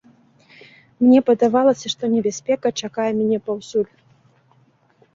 Мне падавалася, што небяспека чакае мяне паўсюль.